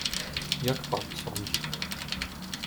"Jak pan sądzi?"